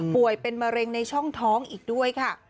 ป่วยเป็นมะเร็งในช่องท้องอีกด้วยค่ะ